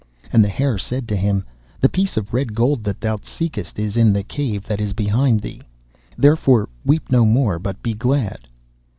And the Hare said to him, 'The piece of red gold that thou seekest is in the cavern that is behind thee. Therefore weep no more but be glad.